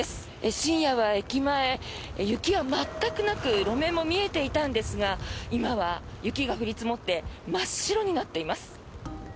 深夜は駅前、雪は全くなく路面も見えていたんですが今は雪が降り積もって真っ白になっています。